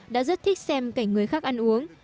đã rất thích xem cảnh người khác ăn uống